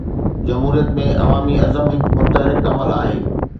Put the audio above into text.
جمهوريت ۾ عوامي عزم هڪ متحرڪ عمل آهي.